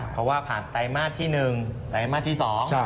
เพราะว่าผ่านไตมาสที่หนึ่งไตมาสที่สอง